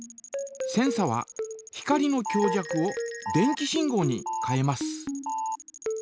センサは光の強弱を電気信号に変えます。